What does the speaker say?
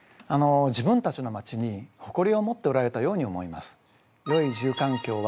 自分たちの町に誇りを持っておられたように思います。